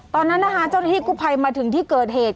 ตอนนั้นนะคะเจ้าหน้าที่กู้ภัยมาถึงที่เกิดเหตุ